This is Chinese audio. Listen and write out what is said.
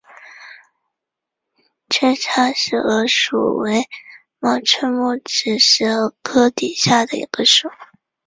缺叉石蛾属为毛翅目指石蛾科底下的一个属。